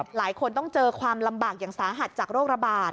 หลายคนต้องเจอความลำบากอย่างสาหัสจากโรคระบาด